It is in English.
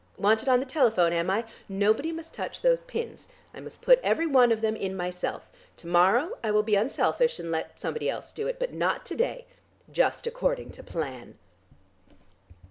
Wanted on the telephone, am I? Nobody must touch those pins. I must put every one of them in myself. To morrow I will be unselfish and let somebody else do it, but not to day. Just according to plan!"